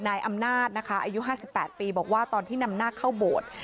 นายอำนาจนะคะอายุ๕๘ปีบอกว่าตอนที่นำนาคเข้าโบสถ์